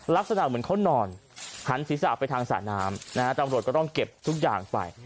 ลักษณะเหมือนเขานอนหันศีรษะไปทางสระน้ำนะฮะตำรวจก็ต้องเก็บทุกอย่างไป